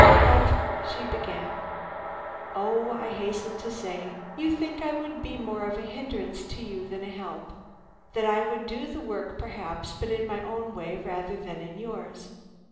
"But " she began. "Oh," I hastened to say, "you think I would be more of a hindrance to you than a help; that I would do the work, perhaps, but in my own way rather than in yours.